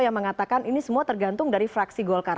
yang mengatakan ini semua tergantung dari fraksi golkar